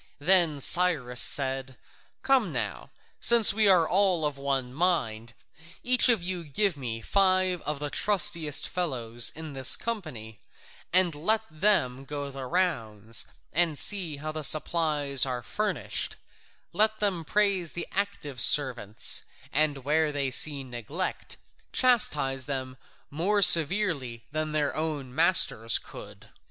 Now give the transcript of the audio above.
Then Cyrus said: "Come now, since we are all of one mind, each of you give me five of the trustiest fellows in his company, and let them go the rounds, and see how the supplies are furnished; let them praise the active servants, and where they see neglect, chastise them more severely than their own masters could."